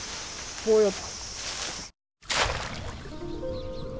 こうやって。